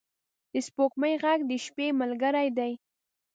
د سپوږمۍ ږغ د شپې ملګری دی.